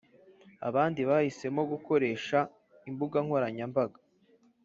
abandi bahisemo gukoresha imbuga nkoranyambaga